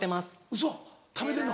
ウソ貯めてんの？